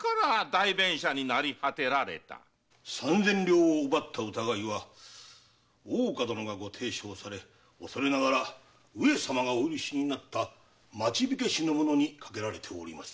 三千両を奪った疑いは大岡殿が提唱されおそれながら上様がお許しになった町火消しの者にかけられております。